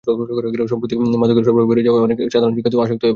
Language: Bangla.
সম্প্রতি মাদকের সরবরাহ বেড়ে যাওয়ায় অনেক সাধারণ শিক্ষার্থীও আসক্ত হয়ে পড়েছেন।